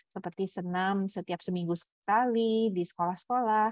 seperti senam setiap seminggu sekali di sekolah sekolah